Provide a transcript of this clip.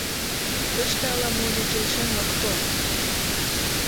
Тыште ала-можо келшен ок тол».